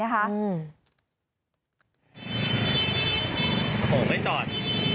ไม่จอด